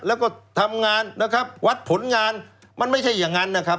แล้วก็ทำงานนะครับวัดผลงานมันไม่ใช่อย่างนั้นนะครับ